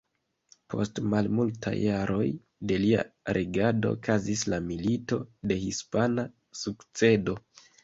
Post malmultaj jaroj de lia regado okazis la Milito de hispana sukcedo.